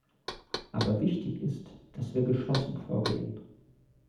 Aber wichtig ist, dass wir geschlossen vorgehen.